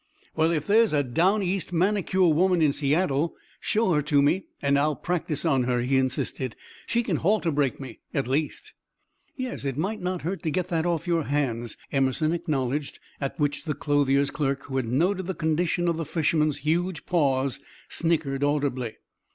"Well, if there is a Down East manicure woman in Seattle, show her to me and I'll practice on her," he insisted. "She can halter break me, at least." "Yes, it might not hurt to get that off your hands," Emerson acknowledged, at which the clothier's clerk, who had noted the condition of the fisherman's huge paws, snickered audibly.